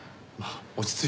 落ち着いて。